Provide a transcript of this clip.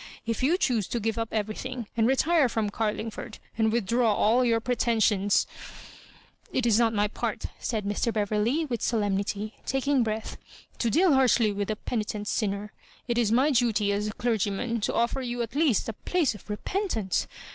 If you choose to give up everything, and retire from Oarlingford, and withdraw all your pretensions— . It is not my part," said Mr. Beverley, with solemnity, taking breath, " to deal harshly with a penitent sinner. It is my duty, as a clergyman, to offer you at least a place of repentance.